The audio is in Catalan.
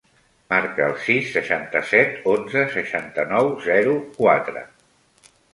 Marca el sis, seixanta-set, onze, seixanta-nou, zero, quatre.